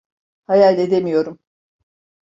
Hayal edemiyorum.